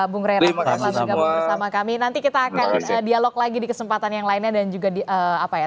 bung rera bersama kami nanti kita akan dialog lagi di kesempatan yang lainnya dan juga di apa ya